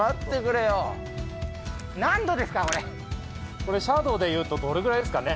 これ斜度でいうとどれくらいですかね。